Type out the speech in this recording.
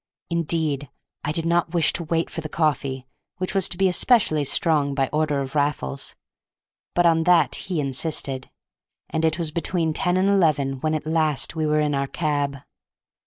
Indeed, I did not wish to wait for the coffee, which was to be especially strong by order of Raffles. But on that he insisted, and it was between ten and eleven when at last we were in our cab.